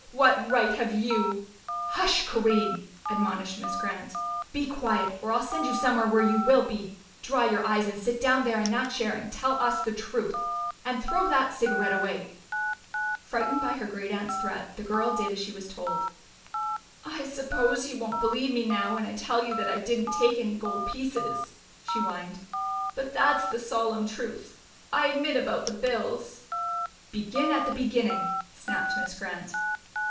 What right have you " "Hush, Corinne!" admonished Miss Grant. "Be quiet, or I'll send you somewhere where you will be! Dry your eyes and sit down there in that chair and tell us the truth. And throw that cigarette away!" Frightened by her great aunt's threat, the girl did as she was told. "I suppose you won't believe me now when I tell you that I didn't take any gold pieces," she whined. "But that's the solemn truth. I admit about the bills " "Begin at the beginning," snapped Miss Grant.